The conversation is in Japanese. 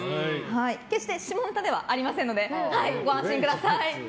決して下ネタではありませんのでご安心ください。